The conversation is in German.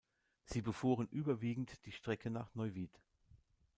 Sie befuhren überwiegend die Strecke nach Neuwied.